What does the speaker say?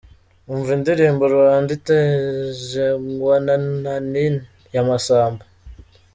Umva indirimbo "Rwanda itajengwa na Nani" ya Massamba.